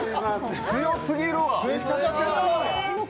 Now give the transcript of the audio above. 強すぎるわ。